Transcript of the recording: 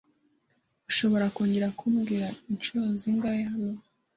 Ushobora kongera kumbwira inshuro zingahe hano?